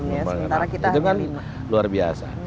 itu kan luar biasa